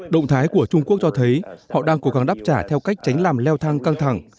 động thái của trung quốc cho thấy họ đang cố gắng đáp trả theo cách tránh làm leo thang căng thẳng